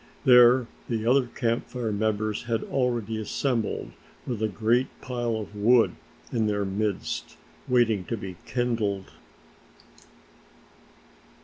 There the other Camp Fire members had already assembled with a great pile of wood in their midst waiting to be kindled.